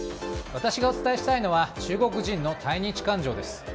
私がお伝えしたいのは中国人の対日感情です。